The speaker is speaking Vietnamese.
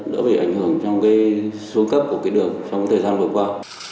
đỡ bị ảnh hưởng trong cái số cấp của cái đường trong thời gian vừa qua